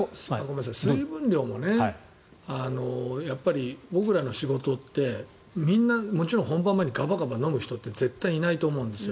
水分量も僕らの仕事ってみんなもちろん本番前にガバガバ飲む人っていないと思うんですよ